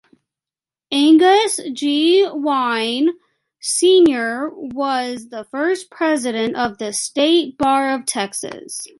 Angus G. Wynne, Senior was the first President of the State Bar of Texas.